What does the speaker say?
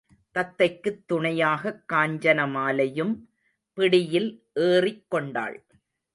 தத்தைக்குத் துணையாகக் காஞ்சன மாலையும் பிடியில் ஏறிக்கொண்டாள்.